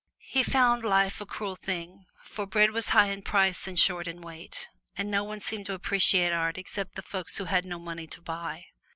He found life a cruel thing, for bread was high in price and short in weight, and no one seemed to appreciate art except the folks who had no money to buy.